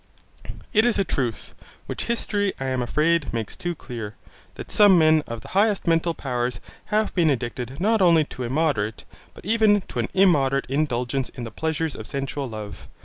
It is a truth, which history I am afraid makes too clear, that some men of the highest mental powers have been addicted not only to a moderate, but even to an immoderate indulgence in the pleasures of sensual love.